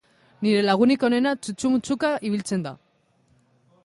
Nire lagunik onena txutxu-mutxuka ibiltzen da